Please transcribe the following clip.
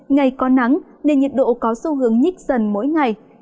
ngày có nắng nên nhiệt độ có xu hướng nhích dần mỗi ngày